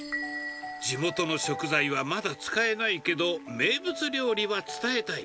地元の食材はまだ使えないけど、名物料理は伝えたい。